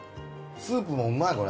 スープもうまいこれ。